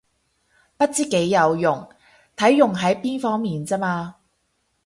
不知幾有用，睇用喺邊方面咋嘛